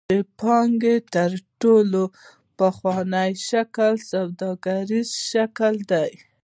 د پانګې تر ټولو پخوانی شکل سوداګریز شکل دی.